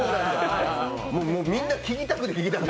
もうみんな聞きたくて聞きたくて。